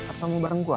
atau mau bareng gue